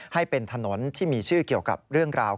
ให้เป็นถนนที่มีชื่อเกี่ยวกับเรื่องราว